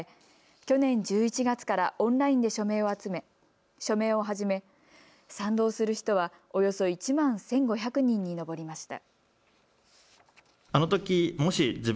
去年１１月からオンラインで署名を始め賛同する人はおよそ１万１５００人に上りました。